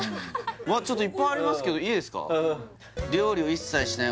ちょっといっぱいありますけどいいですか？